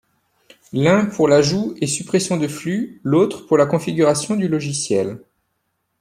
L'un pour l'ajout et suppression de flux, l'autre pour la configuration du logiciel.